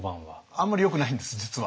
あんまりよくないんです実は。